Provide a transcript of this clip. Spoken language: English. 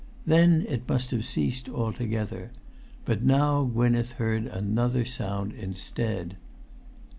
Then it must have ceased altogether. But now Gwynneth heard another sound instead.